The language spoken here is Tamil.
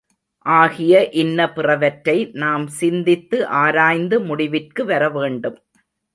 ஆகிய இன்ன பிறவற்றை நாம் சிந்தித்து ஆராய்ந்து முடிவிற்கு வரவேண்டும்.